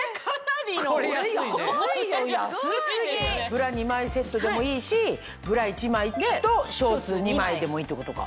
ブラ２枚セットでもいいしブラ１枚とショーツ２枚でもいいってことか。